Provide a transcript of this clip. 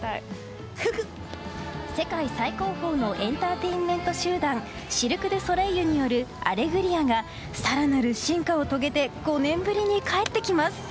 世界最高峰のエンターテインメント集団シルク・ドゥ・ソレイユによる「アレグリア」が更なる進化を遂げて５年ぶりに帰ってきます。